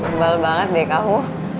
gembal banget deh kamu